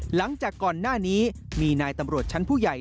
หลังจากก่อนหน้านี้มีนายตำรวจชั้นผู้ใหญ่